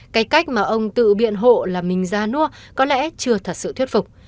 cái cách mà ông tự biện hộ là mình ra nua có lẽ chưa thật sự thuyết phục